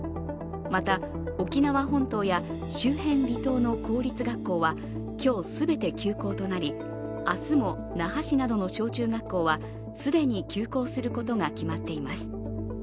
また沖縄本島や周辺離島の公立学校は今日、全て休校となり明日も那覇市などの小中学校は既に休校することが決まっています。